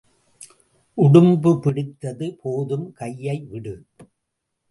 உடும்பு பிடித்தது போதும் கையை விடு.